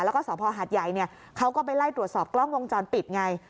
แล้วก็สภหาดใหญ่เนี่ยเขาก็ไปไล่ตรวจสอบกล้องวงจรปิดไง